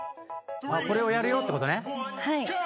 これをやるよってことね。